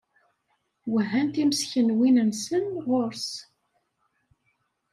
Wehhan timeskenwin-nsen ɣur-s.